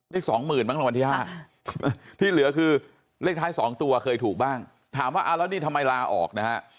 สองหมื่นบ้างรางวัลที่๕ที่เหลือคือเลขท้าย๒ตัวเคยถูกบ้างถามว่าเอาแล้วนี่ทำไมลาออกนะฮะ